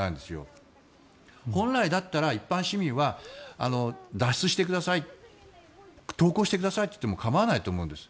本来だったら一般市民は脱出してください投降してくださいといっても構わないと思うんです。